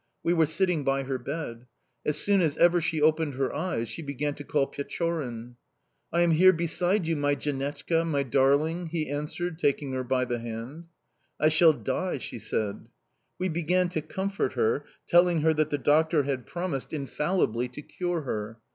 We were sitting by her bed. As soon as ever she opened her eyes she began to call Pechorin. "'I am here beside you, my janechka' (that is, 'my darling'), he answered, taking her by the hand. "'I shall die,' she said. "We began to comfort her, telling her that the doctor had promised infallibly to cure her.